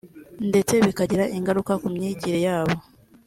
ndetse bikanagira ingaruka ku myigire ya bo